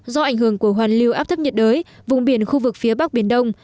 do ảnh hưởng của hoàn lưu áp thấp nhiệt đới vùng biển khu vực phía bắc biển đông